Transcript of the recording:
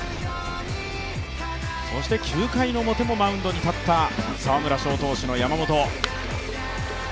９回表もマウンドに立った沢村賞投手の山本。